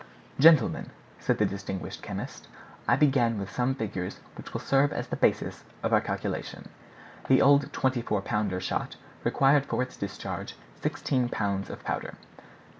"Gentlemen," said this distinguished chemist, "I begin with some figures which will serve as the basis of our calculation. The old 24 pounder shot required for its discharge sixteen pounds of powder."